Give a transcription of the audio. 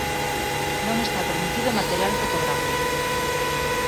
Non está permitido o material fotográfico.